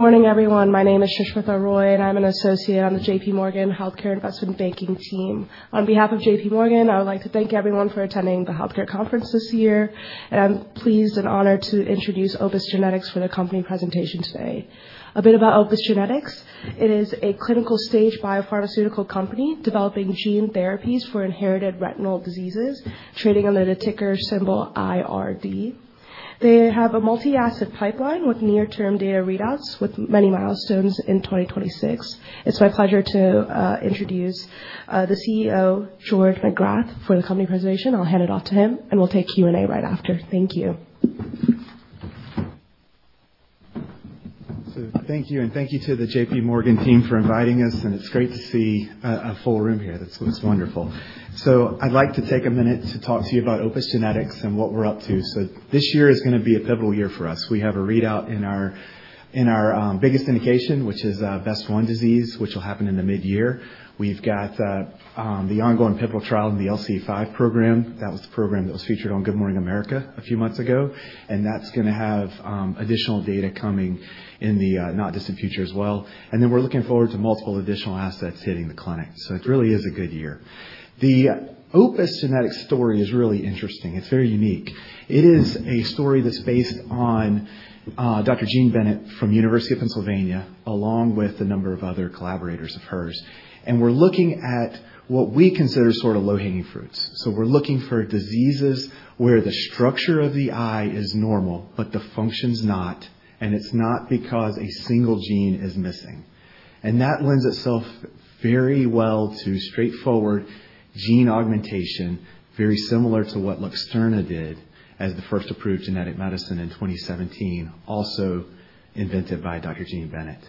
Morning everyone. My name is Susmita Roy and I'm an associate on the JPMorgan Healthcare Investment Banking team. On behalf of JPMorgan, I would like to thank everyone for attending the healthcare conference this year, and I'm pleased and honored to introduce Opus Genetics for their company presentation today. A bit about Opus Genetics. It is a clinical stage biopharmaceutical company developing gene therapies for inherited retinal diseases, trading under the ticker symbol IRD. They have a multi-asset pipeline with near-term data readouts with many milestones in 2026. It's my pleasure to introduce the CEO, George Magrath, for the company presentation. I'll hand it off to him and we'll take Q&A right after. Thank you. Thank you, and thank you to the JPMorgan team for inviting us, and it's great to see a full room here. This looks wonderful. I'd like to take a minute to talk to you about Opus Genetics and what we're up to. This year is going to be a pivotal year for us. We have a readout in our biggest indication, which is BEST1 disease, which will happen in the mid-year. We've got the ongoing pivotal trial in the LCA5 program. That was the program that was featured on Good Morning America a few months ago. That's going to have additional data coming in the not distant future as well. We're looking forward to multiple additional assets hitting the clinic. It really is a good year. The Opus Genetics story is really interesting. It's very unique. It is a story that's based on Dr. Jean Bennett from University of Pennsylvania, along with a number of other collaborators of hers. We're looking at what we consider sort of low-hanging fruits. We're looking for diseases where the structure of the eye is normal, but the function's not, and it's not because a single gene is missing. That lends itself very well to straightforward gene augmentation, very similar to what Luxturna did as the first approved genetic medicine in 2017, also invented by Dr. Jean Bennett.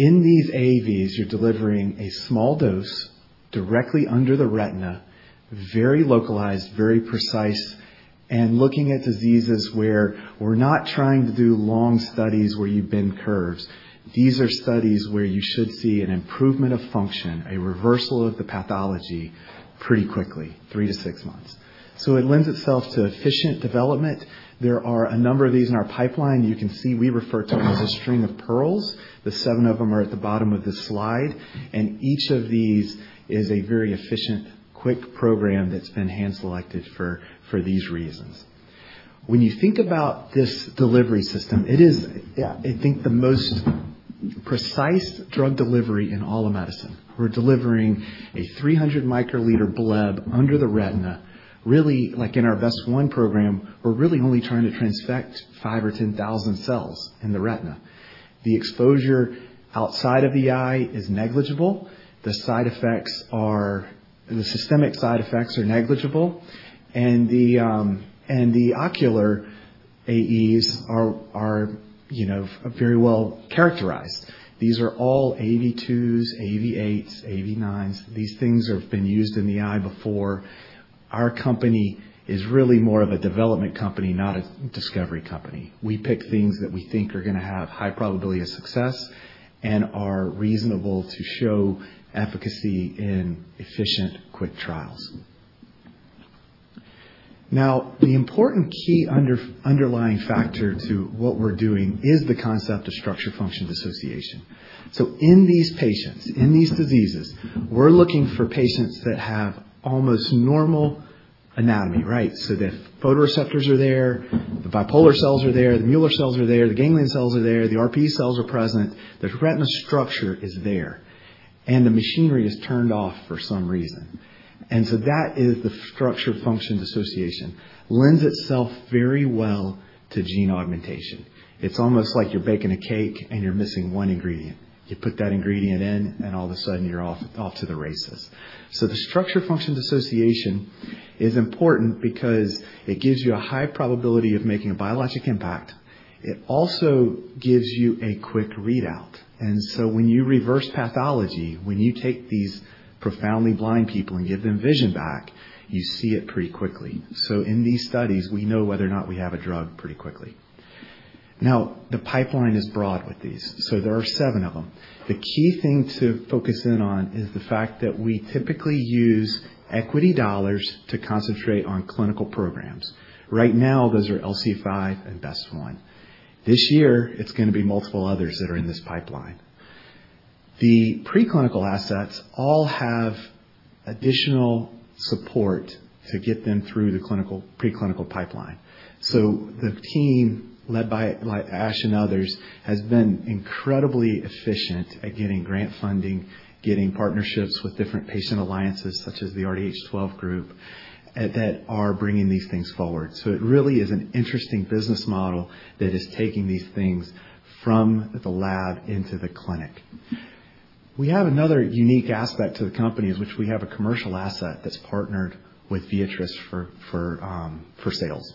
In these AAVs, you're delivering a small dose directly under the retina, very localized, very precise, and looking at diseases where we're not trying to do long studies where you bin curves. These are studies where you should see an improvement of function, a reversal of the pathology pretty quickly, three to six months. It lends itself to efficient development. There are a number of these in our pipeline. You can see we refer to them as a string of pearls. The seven of them are at the bottom of this slide, and each of these is a very efficient, quick program that's been hand-selected for these reasons. When you think about this delivery system, it is I think the most precise drug delivery in all of medicine. We're delivering a 300 microliter bleb under the retina. Really, like in our BEST1 program, we're really only trying to transfect 5 or 10,000 cells in the retina. The exposure outside of the eye is negligible. The systemic side effects are negligible, and the ocular AEs are very well characterized. These are all AAV2s, AAV8s, AAV9s. These things have been used in the eye before. Our company is really more of a development company, not a discovery company. We pick things that we think are going to have high probability of success and are reasonable to show efficacy in efficient, quick trials. Now, the important key underlying factor to what we're doing is the concept of structure function association. In these patients, in these diseases, we're looking for patients that have almost normal anatomy, right? The photoreceptors are there, the bipolar cells are there, the Müller cells are there, the ganglion cells are there, the RPE cells are present. The retina structure is there, and the machinery is turned off for some reason. That is the structure function association. It lends itself very well to gene augmentation. It's almost like you're baking a cake and you're missing one ingredient. You put that ingredient in, and all of a sudden you're off to the races. The structure function association is important because it gives you a high probability of making a biologic impact. It also gives you a quick readout. When you reverse pathology, when you take these profoundly blind people and give them vision back, you see it pretty quickly. In these studies, we know whether or not we have a drug pretty quickly. Now, the pipeline is broad with these. There are seven of them. The key thing to focus in on is the fact that we typically use equity dollars to concentrate on clinical programs. Right now, those are LCA5 and BEST1. This year, it's going to be multiple others that are in this pipeline. The preclinical assets all have additional support to get them through the preclinical pipeline. The team led by Ash and others has been incredibly efficient at getting grant funding, getting partnerships with different patient alliances such as the RDH12 group that are bringing these things forward. It really is an interesting business model that is taking these things from the lab into the clinic. We have another unique aspect to the company, is which we have a commercial asset that's partnered with Viatris for sales.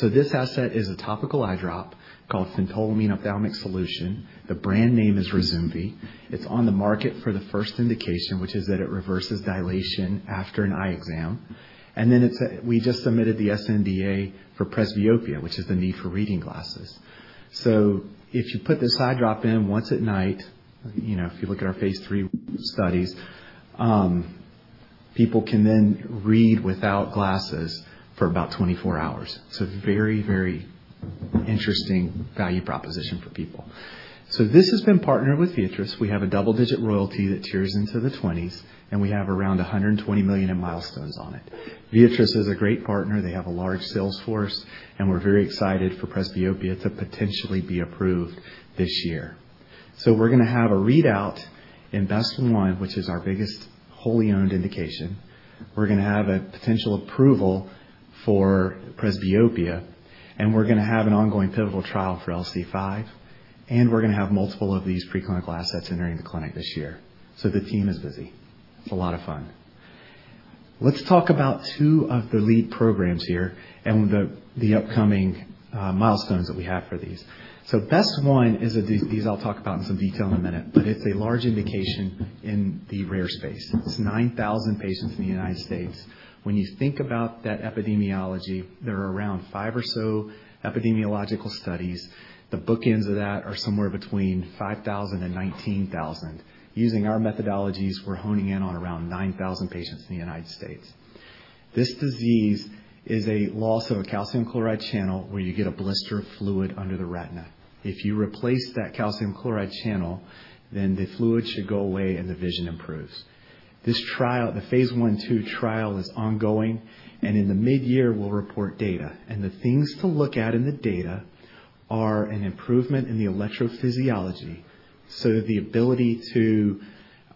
This asset is a topical eye drop called phentolamine ophthalmic solution. The brand name is Ryzumvi. It's on the market for the first indication, which is that it reverses dilation after an eye exam. Then we just submitted the sNDA for presbyopia, which is the need for reading glasses. If you put this eye drop in once at night, if you look at our phase III studies, people can then read without glasses for about 24 hours. It's a very interesting value proposition for people. This has been partnered with Viatris. We have a double-digit royalty that tiers into the 20s, and we have around $120 million in milestones on it. Viatris is a great partner. They have a large sales force, and we're very excited for presbyopia to potentially be approved this year. We're going to have a readout in BEST1, which is our biggest wholly owned indication. We're going to have a potential approval for presbyopia, and we're going to have an ongoing pivotal trial for LCA5, and we're going to have multiple of these preclinical assets entering the clinic this year. The team is busy. It's a lot of fun. Let's talk about two of the lead programs here and the upcoming milestones that we have for these. BEST1. These I'll talk about in some detail in a minute, but it's a large indication in the rare space. It's 9,000 patients in the United States. When you think about that epidemiology, there are around five or so epidemiological studies. The bookends of that are somewhere between 5,000 and 19,000. Using our methodologies, we're honing in on around 9,000 patients in the United States. This disease is a loss of a calcium chloride channel where you get a blister of fluid under the retina. If you replace that calcium chloride channel, then the fluid should go away and the vision improves. This trial, the phase I/II trial, is ongoing, and in the mid-year, we'll report data. The things to look at in the data are an improvement in the electrophysiology, so that the ability to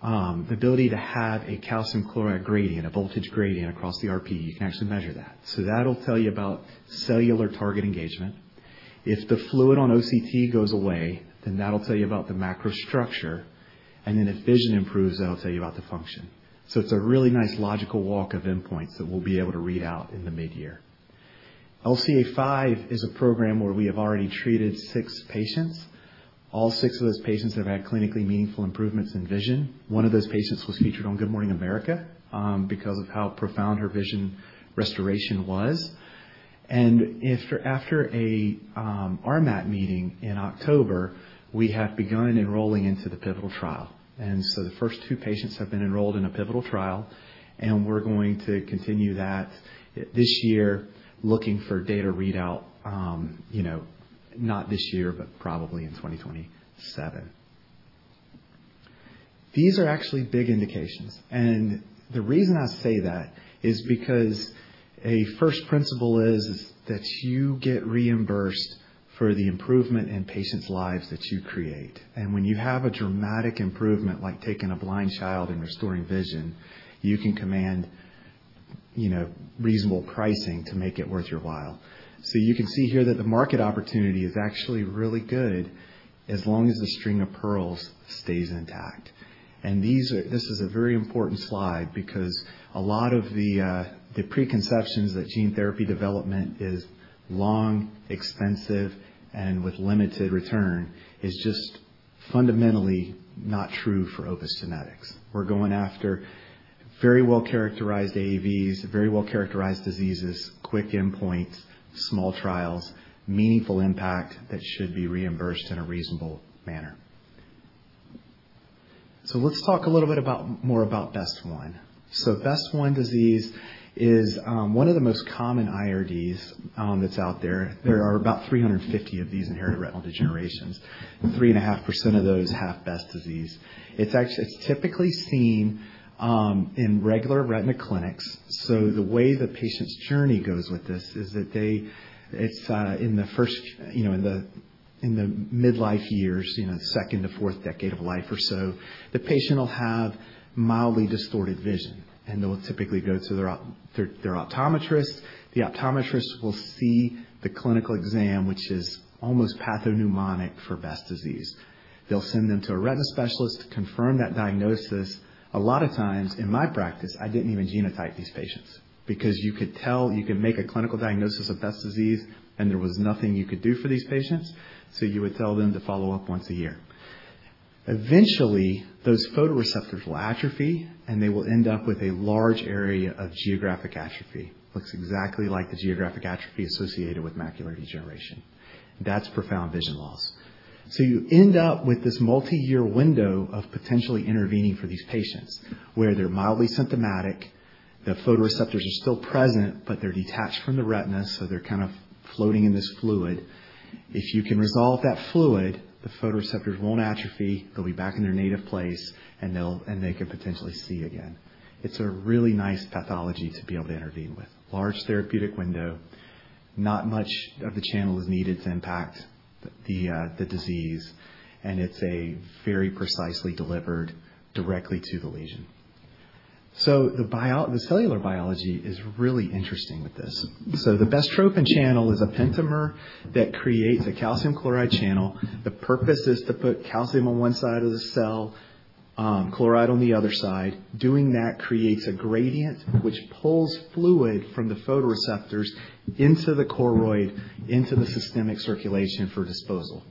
have a calcium chloride gradient, a voltage gradient across the RPE, you can actually measure that. That'll tell you about cellular target engagement. If the fluid on OCT goes away, then that'll tell you about the macro structure. If vision improves, that'll tell you about the function. It's a really nice logical walk of endpoints that we'll be able to read out in the mid-year. LCA5 is a program where we have already treated six patients. All six of those patients have had clinically meaningful improvements in vision. One of those patients was featured on Good Morning America, because of how profound her vision restoration was. After a RMAT meeting in October, we have begun enrolling into the pivotal trial. The first two patients have been enrolled in a pivotal trial, and we're going to continue that this year, looking for data readout, not this year, but probably in 2027. These are actually big indications, and the reason I say that is because a first principle is that you get reimbursed for the improvement in patients' lives that you create. When you have a dramatic improvement, like taking a blind child and restoring vision, you can command reasonable pricing to make it worth your while. You can see here that the market opportunity is actually really good as long as the string of pearls stays intact. This is a very important slide because a lot of the preconceptions that gene therapy development is long, expensive, and with limited return is just fundamentally not true for Opus Genetics. We're going after very well-characterized AAVs, very well-characterized diseases, quick endpoints, small trials, meaningful impact that should be reimbursed in a reasonable manner. Let's talk a little bit more about BEST1. BEST1 disease is one of the most common IRDs that's out there. There are about 350 of these inherited retinal degenerations, and 3.5% of those have Best disease. It's actually typically seen in regular retina clinics. The way the patient's journey goes with this is that it's in the midlife years, second to fourth decade of life or so. The patient will have mildly distorted vision, and they'll typically go to their optometrist. The optometrist will see the clinical exam, which is almost pathognomonic for Best disease. They'll send them to a retina specialist to confirm that diagnosis. A lot of times, in my practice, I didn't even genotype these patients because you could make a clinical diagnosis of Best disease, and there was nothing you could do for these patients. You would tell them to follow up once a year. Eventually, those photoreceptors will atrophy, and they will end up with a large area of geographic atrophy. Looks exactly like the geographic atrophy associated with macular degeneration. That's profound vision loss. You end up with this multi-year window of potentially intervening for these patients, where they're mildly symptomatic. The photoreceptors are still present, but they're detached from the retina, so they're kind of floating in this fluid. If you can resolve that fluid, the photoreceptors won't atrophy. They'll be back in their native place, and they can potentially see again. It's a really nice pathology to be able to intervene with. Large therapeutic window. Not much of the channel is needed to impact the disease, and it's very precisely delivered directly to the lesion. The cellular biology is really interesting with this. The bestrophin channel is a pentamer that creates a calcium chloride channel. The purpose is to put calcium on one side of the cell, chloride on the other side. Doing that creates a gradient which pulls fluid from the photoreceptors into the choroid, into the systemic circulation for disposal.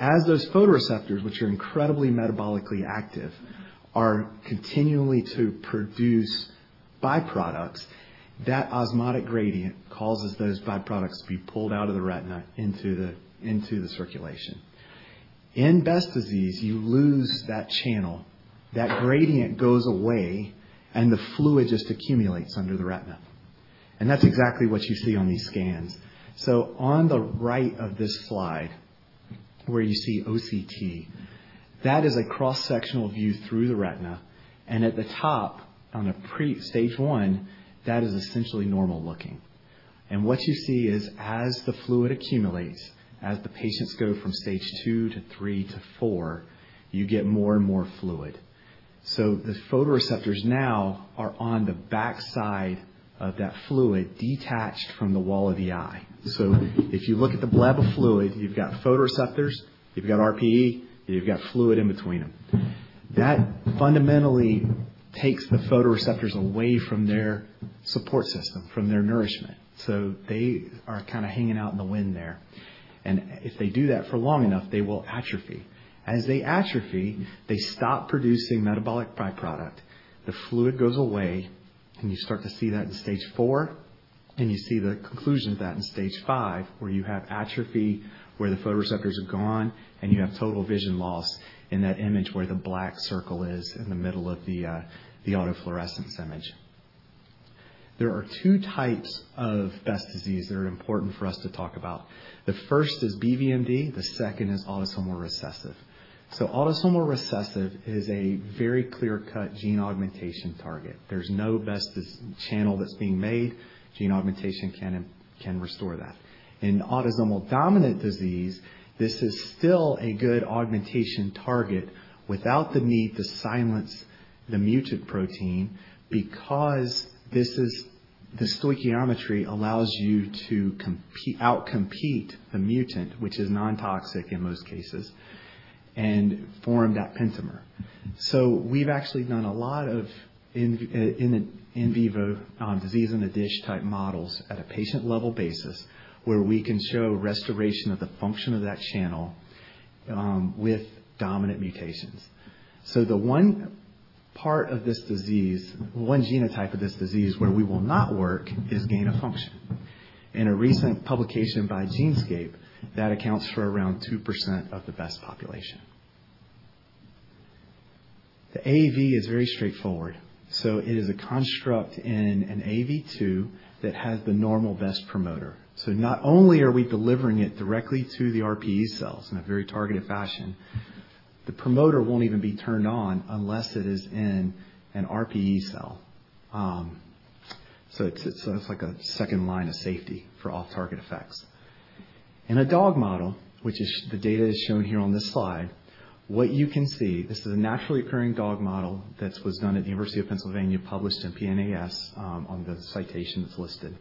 As those photoreceptors, which are incredibly metabolically active, are continually to produce byproducts, that osmotic gradient causes those byproducts to be pulled out of the retina into the circulation. In Best disease, you lose that channel. That gradient goes away, and the fluid just accumulates under the retina. That's exactly what you see on these scans. On the right of this slide, where you see OCT, that is a cross-sectional view through the retina, and at the top on a pre-stage one, that is essentially normal-looking. What you see is as the fluid accumulates, as the patients go from stage two to three to four, you get more and more fluid. The photoreceptors now are on the backside of that fluid detached from the wall of the eye. If you look at the bleb of fluid, you've got photoreceptors, you've got RPE, and you've got fluid in between them. That fundamentally takes the photoreceptors away from their support system, from their nourishment. They are hanging out in the wind there. If they do that for long enough, they will atrophy. As they atrophy, they stop producing metabolic by-product. The fluid goes away, and you start to see that in stage four, and you see the conclusion of that in stage five, where you have atrophy, where the photoreceptors are gone, and you have total vision loss in that image where the black circle is in the middle of the autofluorescence image. There are two types of Best disease that are important for us to talk about. The first is BVMD, the second is autosomal recessive. Autosomal recessive is a very clear-cut gene augmentation target. There's no Best channel that's being made. Gene augmentation can restore that. In autosomal dominant disease, this is still a good augmentation target without the need to silence the mutant protein, because the stoichiometry allows you to outcompete the mutant, which is non-toxic in most cases, and form that pentamer. We've actually done a lot of in vivo disease-in-a-dish-type models at a patient-level basis, where we can show restoration of the function of that channel, with dominant mutations. The one part of this disease, one genotype of this disease, where we will not work is gain of function. In a recent publication by GeneScape, that accounts for around 2% of the Best population. The AAV is very straightforward. It is a construct in an AAV2 that has the normal Best promoter. Not only are we delivering it directly to the RPE cells in a very targeted fashion, the promoter won't even be turned on unless it is in an RPE cell. It's like a second line of safety for off-target effects. In a dog model, which is the data is shown here on this slide, what you can see, this is a naturally occurring dog model that was done at the University of Pennsylvania, published in PNAS, on the citation that's listed.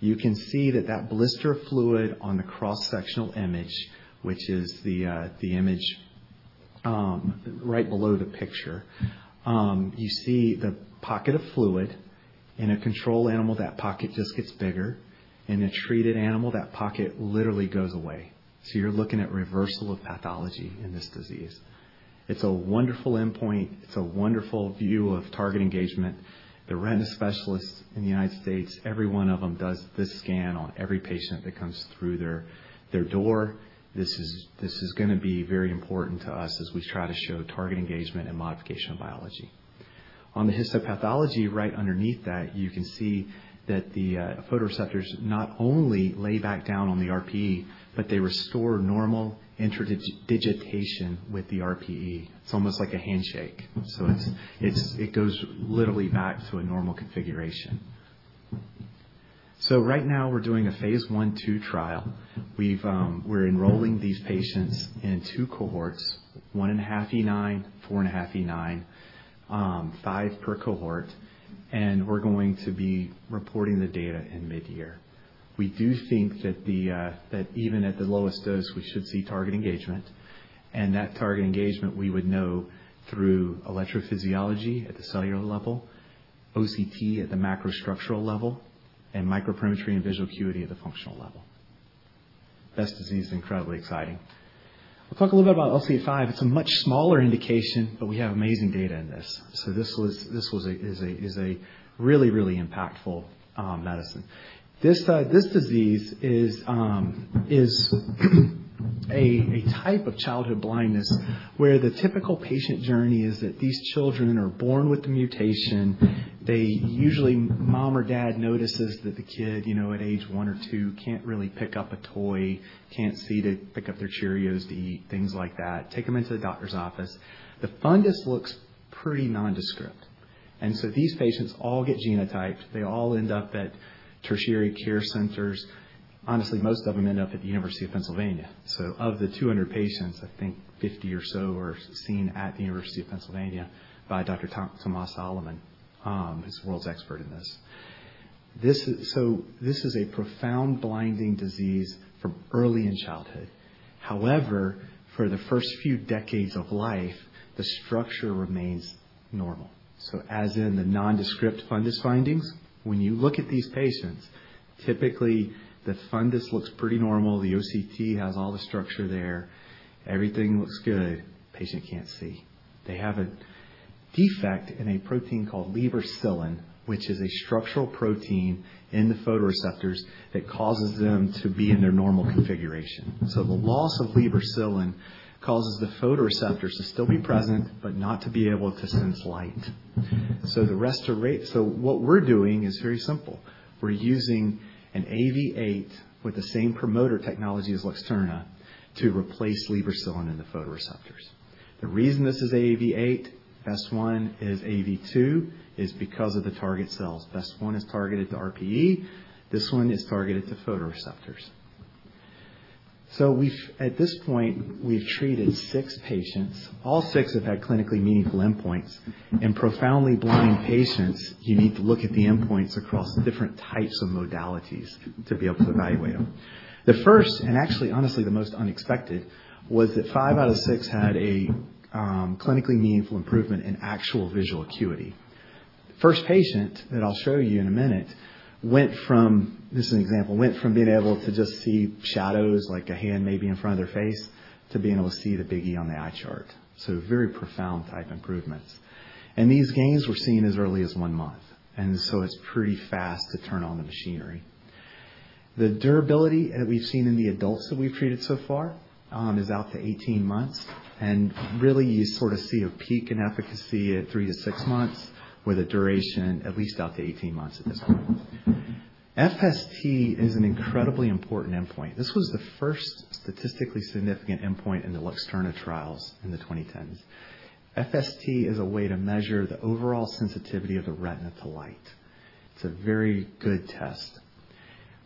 You can see that blister fluid on the cross-sectional image, which is the image right below the picture. You see the pocket of fluid. In a control animal, that pocket just gets bigger. In a treated animal, that pocket literally goes away. You're looking at reversal of pathology in this disease. It's a wonderful endpoint. It's a wonderful view of target engagement. The retina specialists in the United States, every one of them does this scan on every patient that comes through their door. This is going to be very important to us as we try to show target engagement and modification of biology. On the histopathology right underneath that, you can see that the photoreceptors not only lay back down on the RPE, but they restore normal interdigitation with the RPE. It's almost like a handshake. It goes literally back to a normal configuration. Right now, we're doing a phase I/II trial. We're enrolling these patients in two cohorts, 1.5 E9, 4.5 E9, five per cohort, and we're going to be reporting the data in mid-year. We do think that even at the lowest dose, we should see target engagement. That target engagement we would know through electrophysiology at the cellular level, OCT at the macro structural level, and microperimetry and visual acuity at the functional level. Best disease is incredibly exciting. We'll talk a little bit about LCA5. It's a much smaller indication, but we have amazing data in this. This is a really impactful medicine. This disease is a type of childhood blindness where the typical patient journey is that these children are born with the mutation. Usually, mom or dad notices that the kid at age one or two can't really pick up a toy, can't see to pick up their Cheerios to eat, things like that. Take them into the doctor's office. The fundus looks pretty nondescript. These patients all get genotyped. They all end up at tertiary care centers. Honestly, most of them end up at the University of Pennsylvania. Of the 200 patients, I think 50 or so are seen at the University of Pennsylvania by Dr. Tomas Aleman, who's the world's expert in this. This is a profound blinding disease from early in childhood. However, for the first few decades of life, the structure remains normal. As in the nondescript fundus findings, when you look at these patients, typically the fundus looks pretty normal. The OCT has all the structure there. Everything looks good. Patient can't see. They have a defect in a protein called lebercilin, which is a structural protein in the photoreceptors that causes them to be in their normal configuration. The loss of lebercilin causes the photoreceptors to still be present, but not to be able to sense light. What we're doing is very simple. We're using an AAV8 with the same promoter technology as Luxturna to replace lebercilin in the photoreceptors. The reason this is AAV8, Luxturna is AAV2, is because of the target cells. Luxturna is targeted to RPE. This one is targeted to photoreceptors. At this point, we've treated six patients. All six have had clinically meaningful endpoints. In profoundly blind patients, you need to look at the endpoints across different types of modalities to be able to evaluate them. The first, and actually, honestly, the most unexpected, was that five out of six had a clinically meaningful improvement in actual visual acuity. First patient that I'll show you in a minute, this is an example, went from being able to just see shadows, like a hand maybe in front of their face, to being able to see the big E on the eye chart. Very profound type improvements. These gains were seen as early as one month, and so it's pretty fast to turn on the machinery. The durability that we've seen in the adults that we've treated so far is out to 18 months, and really, you sort of see a peak in efficacy at three to six months, with a duration at least out to 18 months at this point. FST is an incredibly important endpoint. This was the first statistically significant endpoint in the Luxturna trials in the 2010s. FST is a way to measure the overall sensitivity of the retina to light. It's a very good test.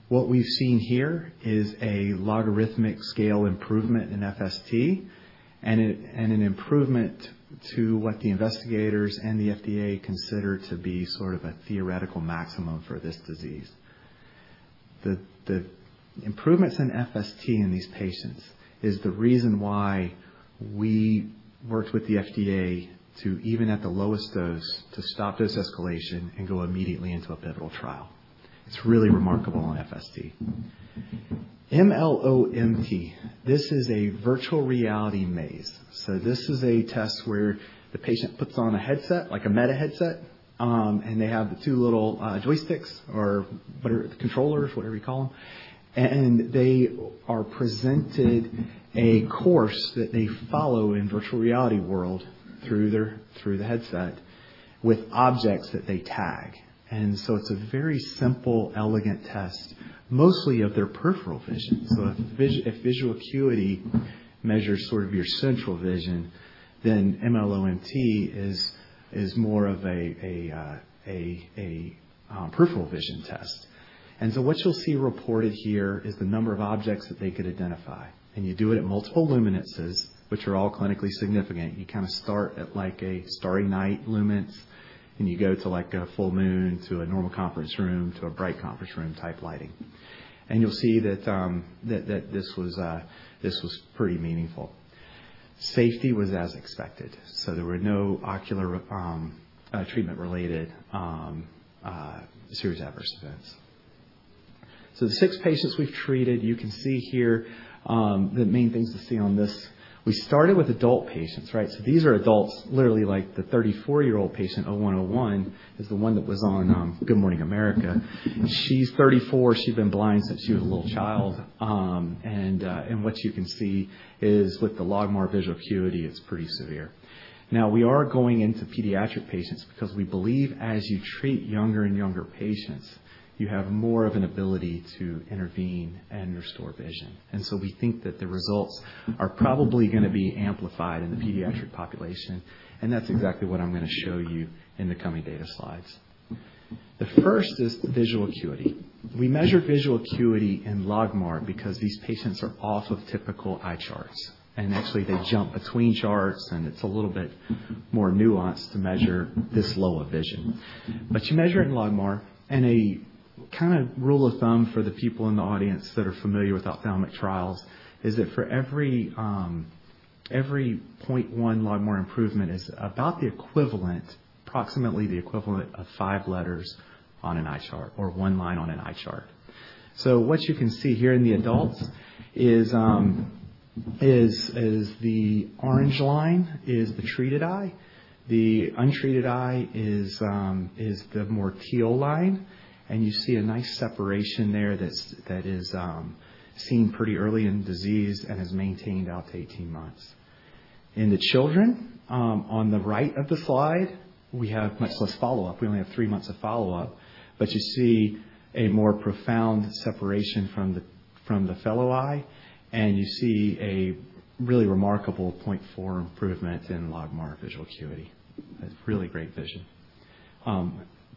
What we've seen here is a logarithmic scale improvement in FST and an improvement to what the investigators and the FDA consider to be sort of a theoretical maximum for this disease. The improvements in FST in these patients is the reason why we worked with the FDA to even at the lowest dose, to stop this escalation and go immediately into a pivotal trial. It's really remarkable on FST. MLoMT. This is a virtual reality maze. This is a test where the patient puts on a headset, like a Meta headset, and they have the two little joysticks or the controllers, whatever you call them. They are presented a course that they follow in virtual reality world through the headset with objects that they tag. It's a very simple, elegant test, mostly of their peripheral vision. If visual acuity measures sort of your central vision, then MLoMT is more of a peripheral vision test. What you'll see reported here is the number of objects that they could identify, and you do it at multiple luminances, which are all clinically significant. You start at like a starry night luminance, and you go to a full moon, to a normal conference room, to a bright conference room type lighting. You'll see that this was pretty meaningful. Safety was as expected. There were no ocular treatment-related serious adverse events. The six patients we've treated, you can see here, the main things to see on this, we started with adult patients. These are adults, literally like the 34-year-old patient, 0101, is the one that was on Good Morning America. She's 34. She's been blind since she was a little child. What you can see is with the LogMAR visual acuity, it's pretty severe. Now we are going into pediatric patients because we believe as you treat younger and younger patients, you have more of an ability to intervene and restore vision. We think that the results are probably going to be amplified in the pediatric population, and that's exactly what I'm going to show you in the coming data slides. The first is visual acuity. We measure visual acuity in LogMAR because these patients are off of typical eye charts. Actually, they jump between charts, and it's a little bit more nuanced to measure this low a vision. You measure it in LogMAR, and a kind of rule of thumb for the people in the audience that are familiar with ophthalmic trials is that for every 0.1 logMAR improvement is about the equivalent, approximately the equivalent of five letters on an eye chart or one line on an eye chart. What you can see here in the adults is the orange line is the treated eye. The untreated eye is the more teal line, and you see a nice separation there that is seen pretty early in the disease and is maintained out to 18 months. In the children, on the right of the slide, we have much less follow-up. We only have three months of follow-up. But you see a more profound separation from the fellow eye, and you see a really remarkable 0.4 improvement in LogMAR visual acuity. That's really great vision.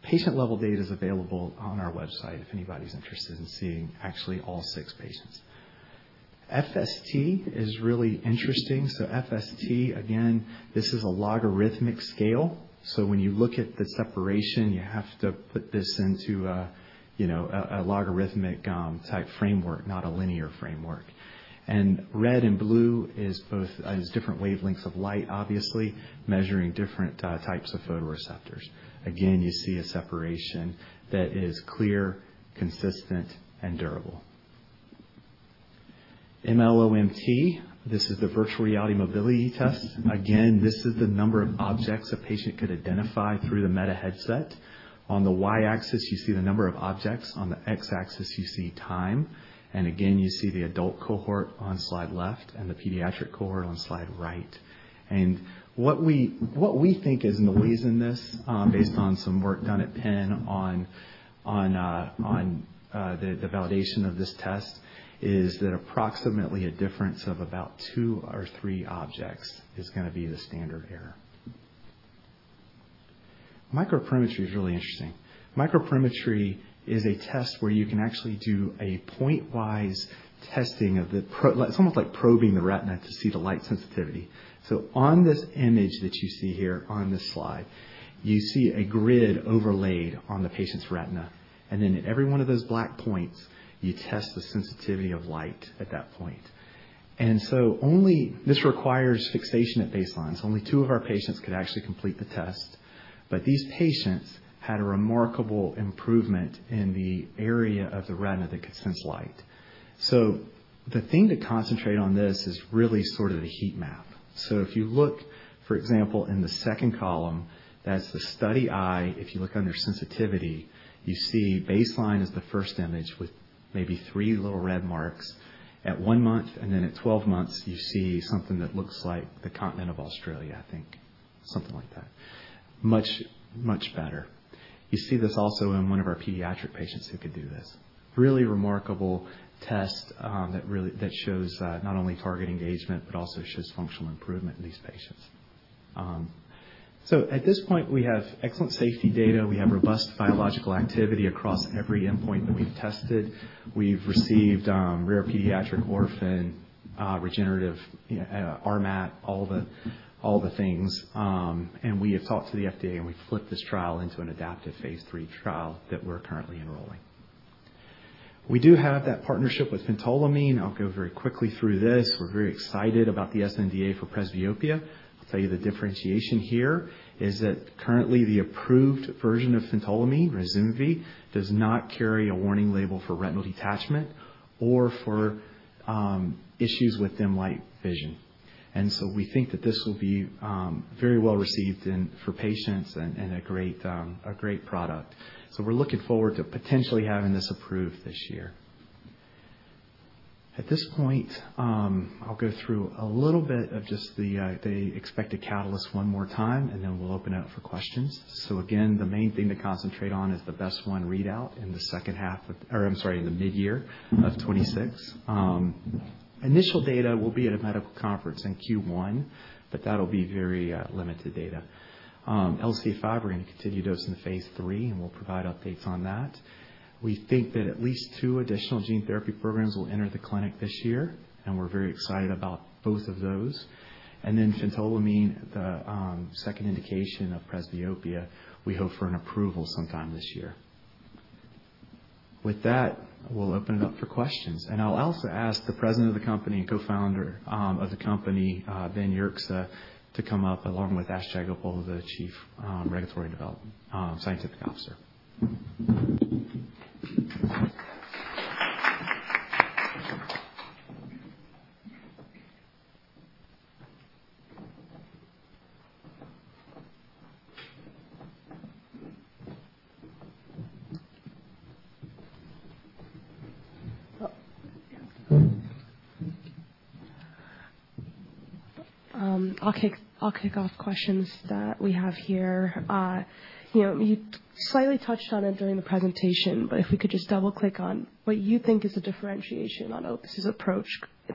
Patient-level data is available on our website if anybody's interested in seeing actually all six patients. FST is really interesting. FST, again, this is a logarithmic scale. When you look at the separation, you have to put this into a logarithmic type framework, not a linear framework. Red and blue is both different wavelengths of light, obviously, measuring different types of photoreceptors. Again, you see a separation that is clear, consistent, and durable. MLoMT. This is the virtual reality mobility test. Again, this is the number of objects a patient could identify through the Meta headset. On the Y-axis, you see the number of objects. On the X-axis, you see time. Again, you see the adult cohort on slide left and the pediatric cohort on slide right. What we think is meaningful in this, based on some work done at Penn on the validation of this test, is that approximately a difference of about two or three objects is going to be the standard error. Microperimetry is really interesting. Microperimetry is a test where you can actually do a point-wise testing of the retina. It's almost like probing the retina to see the light sensitivity. On this image that you see here on this slide, you see a grid overlaid on the patient's retina, and then at every one of those black points, you test the sensitivity of light at that point. Only this requires fixation at baseline. Only two of our patients could actually complete the test. These patients had a remarkable improvement in the area of the retina that could sense light. The thing to concentrate on this is really sort of the heat map. If you look, for example, in the second column, that's the study eye. If you look under sensitivity, you see baseline is the first image with maybe three little red marks at one month, and then at 12 months you see something that looks like the continent of Australia, I think. Something like that. Much better. You see this also in one of our pediatric patients who could do this. Really remarkable test, that shows not only target engagement, but also shows functional improvement in these patients. At this point, we have excellent safety data. We have robust biological activity across every endpoint that we've tested. We've received rare pediatric, orphan, regenerative, RMAT, all the things. We have talked to the FDA, and we flipped this trial into an adaptive phase III trial that we're currently enrolling. We do have that partnership with phentolamine. I'll go very quickly through this. We're very excited about the sNDA for presbyopia. I'll tell you the differentiation here is that currently, the approved version of phentolamine, Ryzumvi, does not carry a warning label for retinal detachment or for issues with dim light vision. We think that this will be very well received for patients and a great product. We're looking forward to potentially having this approved this year. At this point, I'll go through a little bit of just the expected catalyst one more time, and then we'll open it up for questions. Again, the main thing to concentrate on is the BEST1 readout in the mid-year of 2026. Initial data will be at a medical conference in Q1, but that'll be very limited data. LCA5, we're going to continue dosing the phase III, and we'll provide updates on that. We think that at least two additional gene therapy programs will enter the clinic this year, and we're very excited about both of those. phentolamine, the second indication of presbyopia, we hope for an approval sometime this year. With that, we'll open it up for questions. I'll also ask the President of the company and Co-founder of the company, Ben Yerxa, to come up, along with Ash Jayagopal, the Chief Scientific and Development Officer. I'll kick off questions that we have here. You slightly touched on it during the presentation, but if we could just double-click on what you think is the differentiation on Opus' approach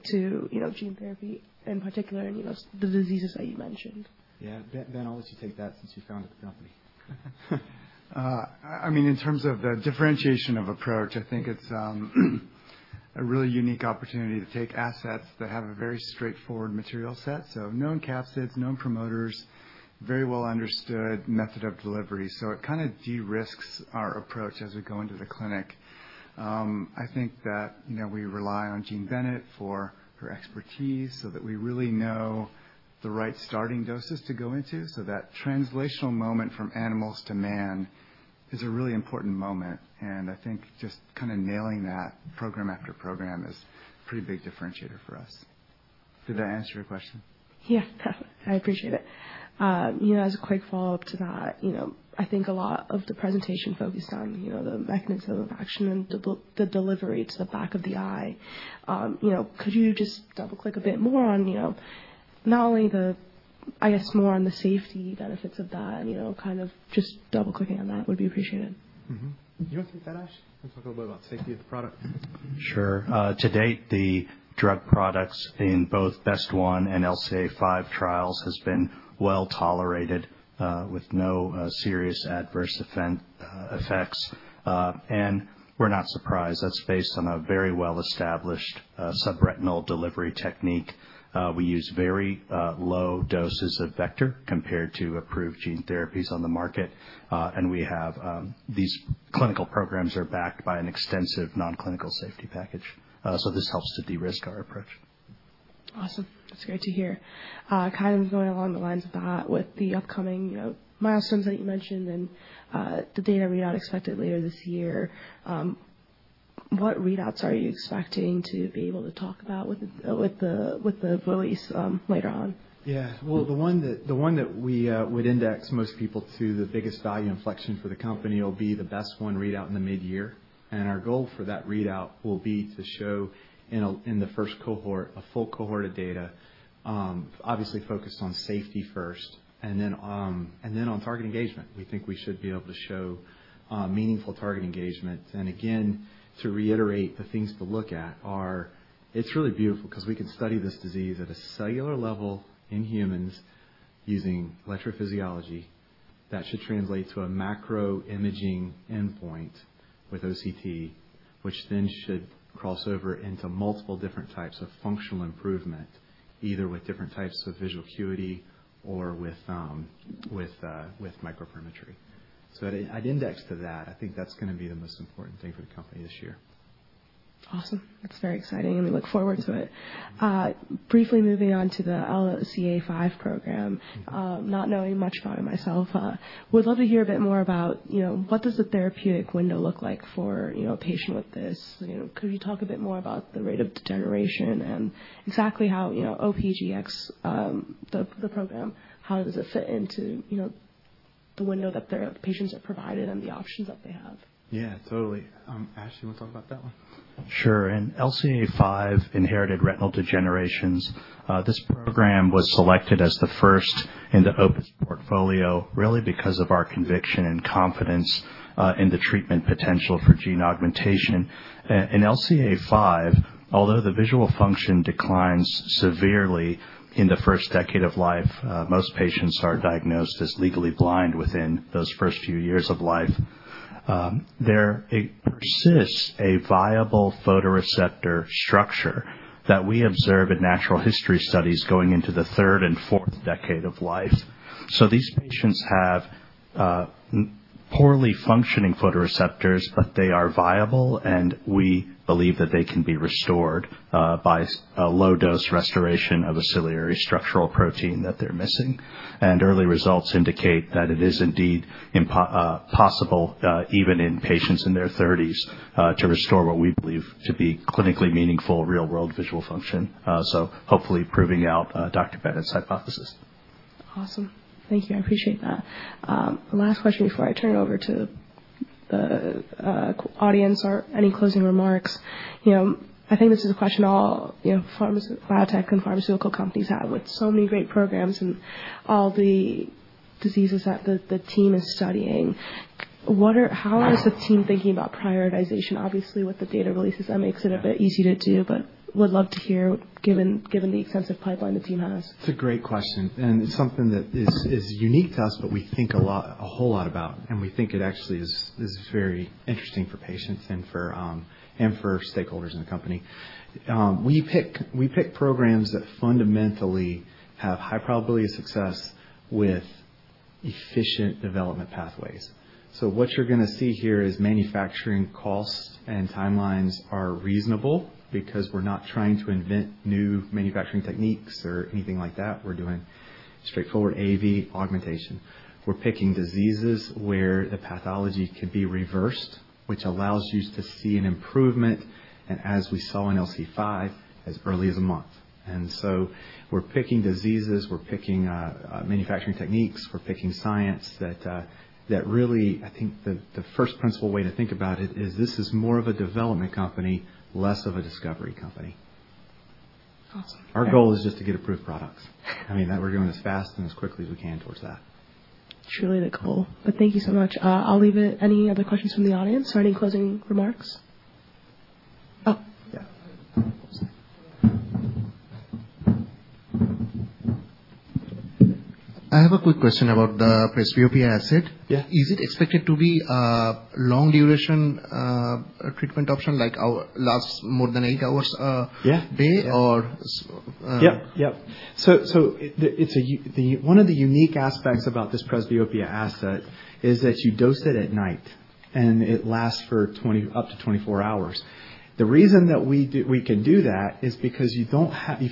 to gene therapy, in particular, the diseases that you mentioned. Yeah. Ben, I'll let you take that since you founded the company. In terms of the differentiation of approach, I think it's a really unique opportunity to take assets that have a very straightforward material set, known capsids, known promoters, very well understood method of delivery. It kind of de-risks our approach as we go into the clinic. I think that we rely on Jean Bennett for her expertise so that we really know the right starting doses to go into. That translational moment from animals to man is a really important moment, and I think just kind of nailing that program after program is a pretty big differentiator for us. Did that answer your question? Yeah. Definitely. I appreciate it. As a quick follow-up to that, I think a lot of the presentation focused on the mechanisms of action and the delivery to the back of the eye. Could you just double-click a bit more on, I guess, more on the safety benefits of that? Just double-clicking on that would be appreciated. Do you want to take that, Ash? Talk a little bit about safety of the product. Sure. To date, the drug products in both BEST1 and LCA5 trials has been well tolerated, with no serious adverse effects. We're not surprised. That's based on a very well-established subretinal delivery technique. We use very low doses of vector compared to approved gene therapies on the market. We have these clinical programs are backed by an extensive non-clinical safety package. This helps to de-risk our approach. Awesome. That's great to hear. Kind of going along the lines of that, with the upcoming milestones that you mentioned and the data readout expected later this year, what readouts are you expecting to be able to talk about with the release later on? Yeah. Well, the one that we would index most people to, the biggest value inflection for the company, will be the BEST1 readout in the mid-year. Our goal for that readout will be to show in the first cohort, a full cohort of data, obviously focused on safety first. Then on target engagement, we think we should be able to show meaningful target engagement. Again, to reiterate the things to look at are, it's really beautiful because we can study this disease at a cellular level in humans using electrophysiology. That should translate to a macro imaging endpoint with OCT, which then should cross over into multiple different types of functional improvement, either with different types of visual acuity or with microperimetry. I'd index to that. I think that's going to be the most important thing for the company this year. Awesome. That's very exciting, and we look forward to it. Briefly moving on to the LCA5 program. Not knowing much about it myself, would love to hear a bit more about what does the therapeutic window look like for a patient with this? Could you talk a bit more about the rate of degeneration and exactly how OPGX, the program, how does it fit into the window that the patients are provided and the options that they have? Yeah, totally. Ash, want to talk about that one? Sure. In LCA5 inherited retinal degenerations, this program was selected as the first in the Opus portfolio, really because of our conviction and confidence in the treatment potential for gene augmentation. In LCA5, although the visual function declines severely in the first decade of life, most patients are diagnosed as legally blind within those first few years of life. There persists a viable photoreceptor structure that we observe in natural history studies going into the third and fourth decade of life. These patients have poorly functioning photoreceptors, but they are viable, and we believe that they can be restored by a low dose restoration of a ciliary structural protein that they're missing. Early results indicate that it is indeed possible, even in patients in their 30s, to restore what we believe to be clinically meaningful real-world visual function. Hopefully proving out Dr. Bennett's hypothesis. Awesome. Thank you. I appreciate that. Last question before I turn it over to the audience or any closing remarks. I think this is a question all biotech and pharmaceutical companies have. With so many great programs and all the diseases that the team is studying, how is the team thinking about prioritization? Obviously, with the data releases, that makes it a bit easier to do, but would love to hear, given the extensive pipeline the team has. It's a great question and something that is unique to us, but we think a whole lot about, and we think it actually is very interesting for patients and for stakeholders in the company. We pick programs that fundamentally have high probability of success with efficient development pathways. What you're going to see here is manufacturing costs and timelines are reasonable because we're not trying to invent new manufacturing techniques or anything like that. We're doing straightforward AAV augmentation. We're picking diseases where the pathology could be reversed, which allows you to see an improvement, and as we saw in LCA5, as early as a month. We're picking diseases, we're picking manufacturing techniques, we're picking science that really, I think, the first principle way to think about it is this is more of a development company, less of a discovery company. Awesome. Our goal is just to get approved products. We're going as fast and as quickly as we can towards that. Truly the goal. Thank you so much. I'll leave it. Any other questions from the audience or any closing remarks? Oh. Yeah. I have a quick question about the presbyopia asset. Yeah. Is it expected to be a long duration treatment option, like lasts more than eight hours a day or? Yep. One of the unique aspects about this presbyopia asset is that you dose it at night and it lasts for up to 24 hours. The reason that we can do that is because you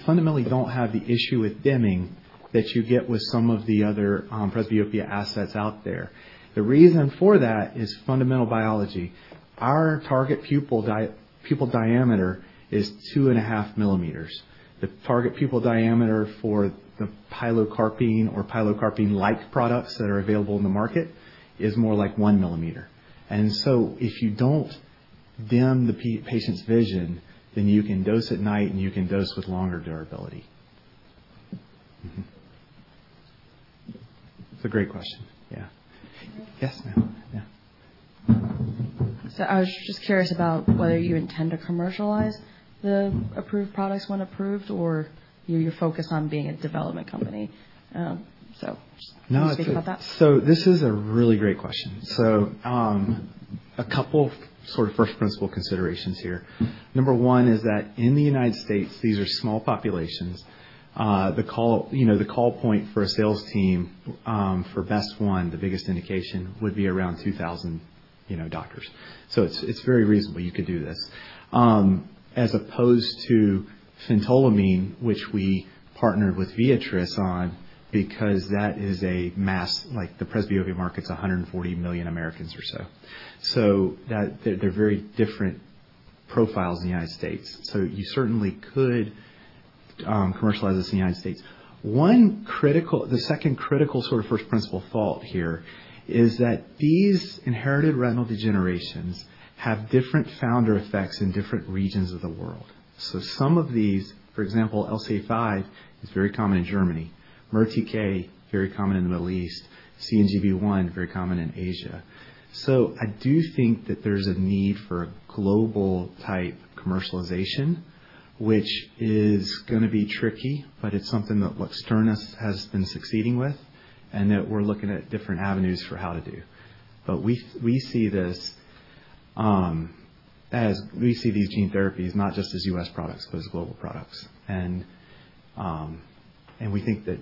fundamentally don't have the issue with dimming that you get with some of the other presbyopia assets out there. The reason for that is fundamental biology. Our target pupil diameter is 2.5 mm. The target pupil diameter for the pilocarpine or pilocarpine-like products that are available in the market is more like 1 mm. If you don't dim the patient's vision, then you can dose at night, and you can dose with longer durability. Mm-hmm. It's a great question. Yeah. Yes, ma'am. Yeah. I was just curious about whether you intend to commercialize the approved products when approved, or you focus on being a development company. Just thinking about that. This is a really great question. A couple sort of first principle considerations here. Number one is that in the United States, these are small populations. The call point for a sales team for BEST1, the biggest indication, would be around 2,000 doctors. It's very reasonable you could do this. As opposed to phentolamine, which we partnered with Viatris on, because that is a mass market. The presbyopia market's 140 million Americans or so. They're very different profiles in the United States. You certainly could commercialize this in the United States. The second critical sort of first principle fact here is that these inherited retinal degenerations have different founder effects in different regions of the world. Some of these, for example, LCA5 is very common in Germany, MERTK very common in the Middle East, CNGB1 very common in Asia. I do think that there's a need for a global type commercialization, which is going to be tricky, but it's something that Luxturna has been succeeding with and that we're looking at different avenues for how to do. We see these gene therapies not just as U.S. products, but as global products. We think that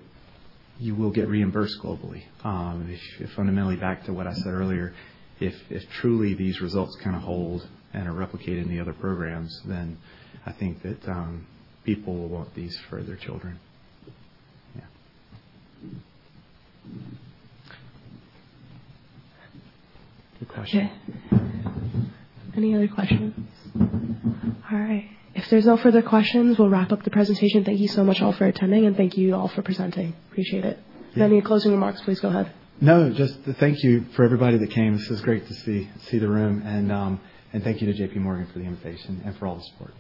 you will get reimbursed globally. Fundamentally, back to what I said earlier, if truly these results kind of hold and are replicated in the other programs, then I think that people will want these for their children. Yeah. Good question. Any other questions? All right. If there's no further questions, we'll wrap up the presentation. Thank you so much all for attending, and thank you all for presenting. Appreciate it. If there are any closing remarks, please go ahead. No, just thank you for everybody that came. This is great to see the room. Thank you to JPMorgan for the invitation and for all the support.